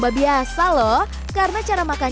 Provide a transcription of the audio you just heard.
pasang représentasi baru